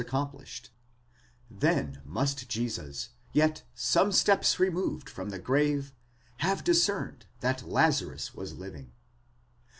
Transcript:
accomplished ; then must Jesus, yet some steps removed from the grave, have discerned that Lazarus was living.